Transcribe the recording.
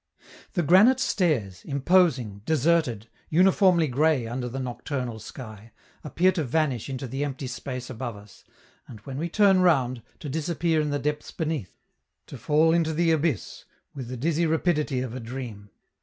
The granite stairs, imposing, deserted, uniformly gray under the nocturnal sky, appear to vanish into the empty space above us, and, when we turn round, to disappear in the depths beneath, to fall into the abyss with the dizzy rapidity of a dream.